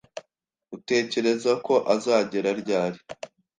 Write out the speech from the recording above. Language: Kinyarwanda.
Utekereza ko azagera ryari?